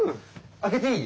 開けていい？